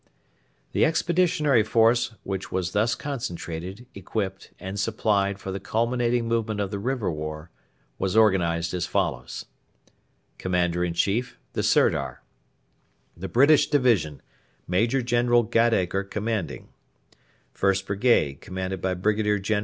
The Expeditionary Force which was thus concentrated, equipped, and supplied for the culminating moment of the River War, was organised as follows: Commander in Chief: THE SIRDAR The British Division: MAJOR GENERAL GATACRE Commanding 1st Brigade 2nd Brigade BRIGADIER GEN.